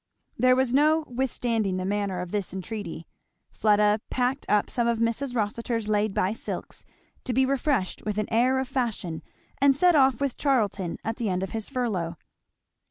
There was no withstanding the manner of this entreaty. Fleda packed up some of Mrs. Rossitur's laid by silks, to be refreshed with an air of fashion, and set off with Charlton at the end of his furlough.